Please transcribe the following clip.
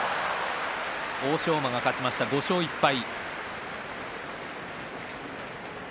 欧勝馬が勝ちました、５勝１敗。